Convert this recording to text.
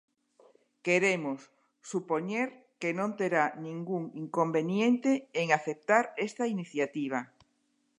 Queremos supoñer que non terá ningún inconveniente en aceptar esta iniciativa.